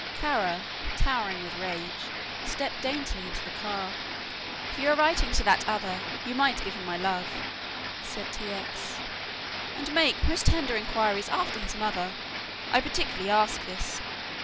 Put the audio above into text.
Kara towering with rage stepped daintily into the car. "If you are writing to the other you might give him my love," said T. X., "and make most tender enquiries after his mother. I particularly ask this."